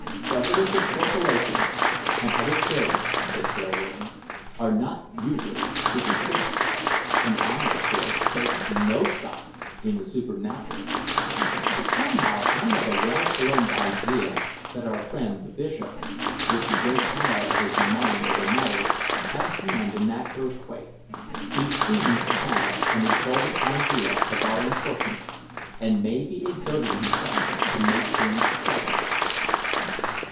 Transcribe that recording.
"Presidents of corporations and other chairmen," said Bearwarden, "are not usually superstitious, and I, of course, take no stock in the supernatural; but somehow I have a well formed idea that our friend the bishop, with the great power of his mind over matter, had a hand in that earthquake. He seems to have an exalted idea of our importance, and may be exerting himself to make things pleasant."